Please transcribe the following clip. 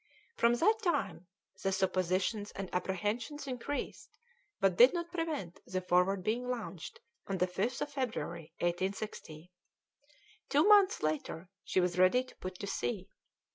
From that time the suppositions and apprehensions increased, but did not prevent the Forward being launched on the 5th of February, 1860. Two months later she was ready to put to sea.